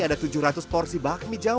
ada tujuh ratus porsi bakmi jawa